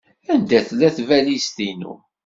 Anda tella tbalizt-inu?